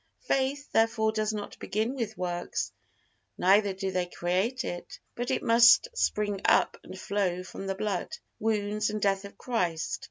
Faith, therefore, does not begin with works, neither do they create it, but it must spring up and flow from the blood, wounds and death of Christ.